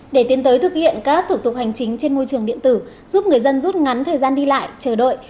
để tiến tới thực hiện các thủ tục hành chính trên môi trường điện tử giúp người dân rút ngắn thời gian đi lại chờ đợi